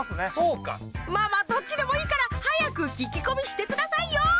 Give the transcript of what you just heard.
まあまあどっちでもいいから早く聞き込みしてくださいよ！